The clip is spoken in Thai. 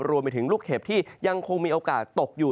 รวมไปถึงลูกเห็บที่ยังคงมีโอกาสตกอยู่